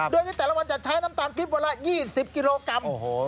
โดยในแต่ละวันจะใช้น้ำตาลคลิปวันละ๒๐กิโลกรัม